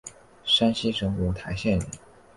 山西省五台县人。